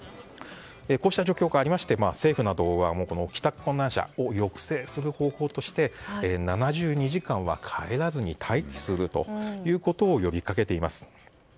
こうした状況がありまして政府などは帰宅困難者を抑制する方法として７２時間は帰らずに待機するということを呼びかけています。